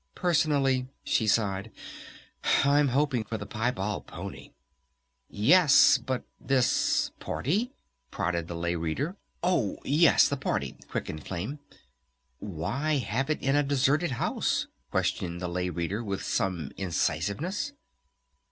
Personally," she sighed, "I'm hoping for the piebald pony." "Yes, but this party?" prodded the Lay Reader. "Oh, yes, the party " quickened Flame. "Why have it in a deserted house?" questioned the Lay Reader with some incisiveness.